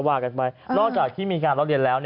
ว่ากันไปนอกจากที่มีการล้อเรียนแล้ว